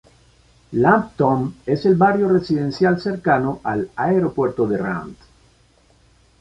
Lambton es el barrio residencial cercano al aeropuerto de Rand.